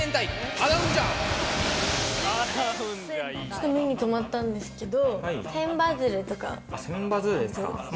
ちょっと目に留まったんですけど。